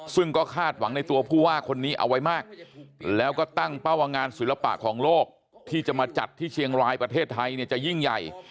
ซึ่งก็คาดหวังในตัวผู้ว่าคนนี้เอาไว้มากแล้วก็ตั้งเป้าว่างานศิลปะของโลกที่จะมาจัดที่เชียงรายประเทศไทยเนี่ยจะยิ่งใหญ่